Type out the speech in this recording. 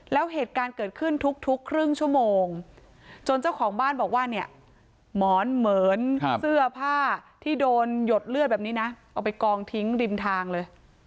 แล้วเหตุการณ์เกิดขึ้นทุกครึ่งชั่วโมงจนเจ้าของบ้านบอกว่าเนี่ยหมอนเหมือนเสื้อผ้าที่โดนหยดเลือดแบบนี้นะเอาไปกองทิ้งริมทางเลย